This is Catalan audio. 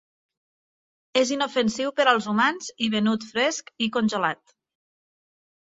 És inofensiu per als humans i venut fresc i congelat.